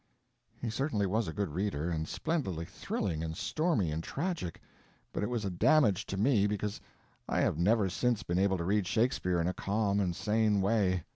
He certainly was a good reader, and splendidly thrilling and stormy and tragic, but it was a damage to me, because I have never since been able to read Shakespeare in a calm and sane way.